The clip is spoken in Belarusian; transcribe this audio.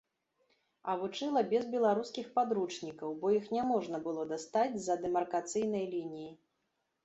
А вучыла без беларускіх падручнікаў, бо іх няможна было дастаць з-за дэмаркацыйнай лініі.